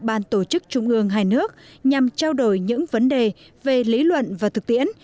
ban tổ chức trung ương hai nước nhằm trao đổi những vấn đề về lý luận và thực tiễn